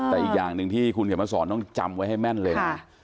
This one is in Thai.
แต่อีกอย่างหนึ่งที่คุณเขียนมาสอนต้องจำไว้ให้แม่นเลยนะ